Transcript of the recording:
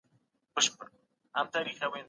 هر ځواب باید په دقت وڅېړل سي.